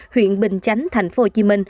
huyện bình chánh tp hcm